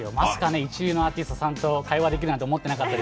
意中のアーティストさんと会話できると思っていなかったので。